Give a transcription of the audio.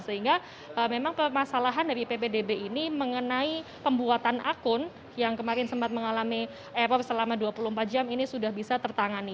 sehingga memang permasalahan dari ppdb ini mengenai pembuatan akun yang kemarin sempat mengalami error selama dua puluh empat jam ini sudah bisa tertangani